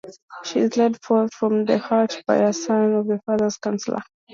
She is led forth from the hut by a son of her father's councilor.